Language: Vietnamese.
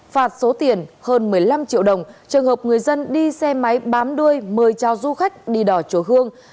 phạt số tiền hơn một mươi năm triệu đồng trường hợp người dân đi xe máy bám đuôi mời trao du khách đi đò chỗ hương